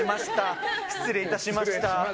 失礼いたしました。